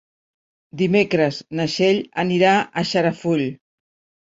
Dimecres na Txell anirà a Xarafull.